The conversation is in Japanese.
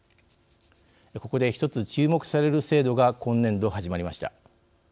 ここで１つ注目される制度が今年度、始まりました。